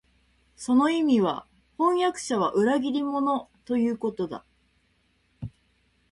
その意味は、飜訳者は裏切り者、ということだ